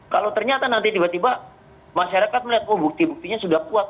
kalau ternyata nanti tiba tiba masyarakat melihat oh bukti buktinya sudah kuat